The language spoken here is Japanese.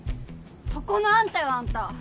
そこのあんたよあんた！